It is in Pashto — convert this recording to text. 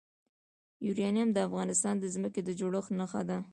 یورانیم د افغانستان د ځمکې د جوړښت نښه ده.